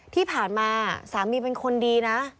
ที่ผ่านมาสามีเป็นคนดีนะ